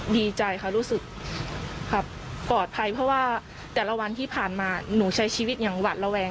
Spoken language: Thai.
ดีใจค่ะรู้สึกครับปลอดภัยเพราะว่าแต่ละวันที่ผ่านมาหนูใช้ชีวิตอย่างหวัดระแวง